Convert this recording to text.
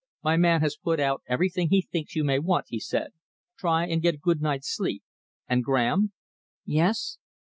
"My man has put out everything he thinks you may want," he said. "Try and get a good night's sleep. And, Graham." "Yes?"